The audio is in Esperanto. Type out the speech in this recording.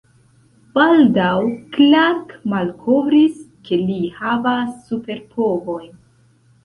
Baldaŭ, Clark malkovris, ke li havas super-povojn.